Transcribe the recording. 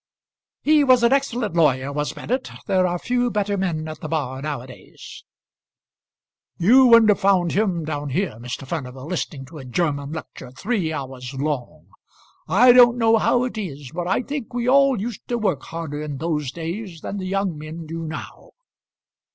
"He was an excellent lawyer, was Bennett. There are few better men at the bar now a days." "You wouldn't have found him down here, Mr. Furnival, listening to a German lecture three hours long. I don't know how it is, but I think we all used to work harder in those days than the young men do now."